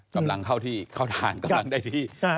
กำลังเข้าที่เข้าทางกำลังได้ที่